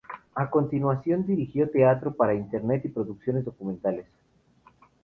A continuación dirigió teatro para Internet y producciones documentales.